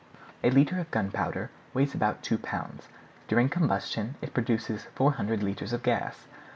A litre of gunpowder weighs about two pounds; during combustion it produces 400 litres of gas.